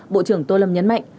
bộ trưởng tô lâm nhấn mạnh